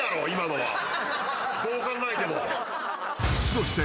［そして］